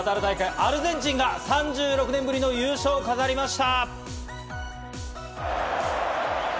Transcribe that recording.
アルゼンチンが３６年ぶりの優勝を飾りました。